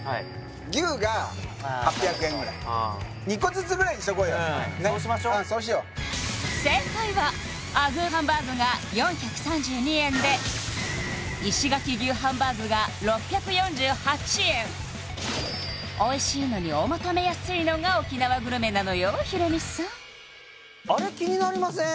牛が８００円ぐらい２個ずつぐらいにしとこうよそうしましょ正解はあぐーハンバーグが４３２円で石垣牛ハンバーグが６４８円おいしいのにお求めやすいのが沖縄グルメなのよヒロミさん